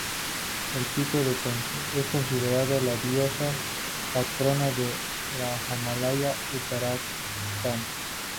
El pico es considerado la diosa patrona de los Himalaya Uttarakhand.